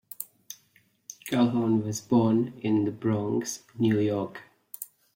Calhoun was born in the Bronx, New York.